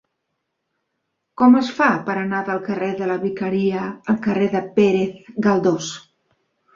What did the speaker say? Com es fa per anar del carrer de la Vicaria al carrer de Pérez Galdós?